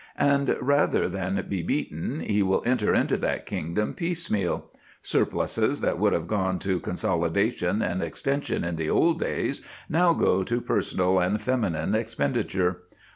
And rather than be beaten he will enter into that kingdom piecemeal. Surpluses that would have gone to consolidation and extension in the old days now go to personal and feminine expenditure.